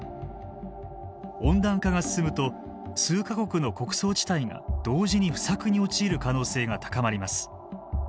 温暖化が進むと数か国の穀倉地帯が同時に不作に陥る可能性が高まります。